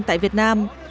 tại việt nam